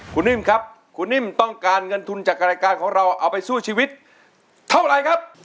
คุณนิ่มครับคุณนิ่มต้องการเงินทุนจากรายการของเราเอาไปสู้ชีวิตเท่าไรครับ